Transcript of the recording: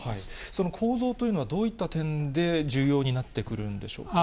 その構造というのはどういった点で重要になってくるんでしょうか。